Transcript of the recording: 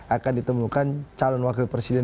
akan ditemukan calon wakil presiden